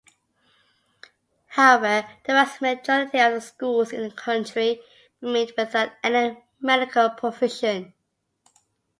However, the vast majority of schools in the country remained without any medical provision.